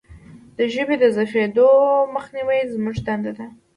د ژبې د ضعیفیدو مخنیوی زموږ دنده ده.